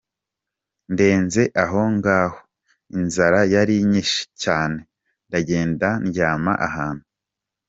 Ndenze aho ngaho, inzara yari inyishe cyane ndagenda ndyama ahantu.